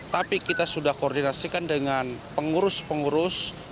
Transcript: tapi kita sudah koordinasikan dengan pengurus pengurus